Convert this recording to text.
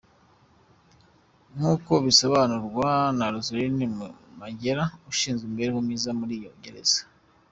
Nk’uko bisobanurwa na Roseline Magera ushinzwe imibereho myiza muri iyo Gereza.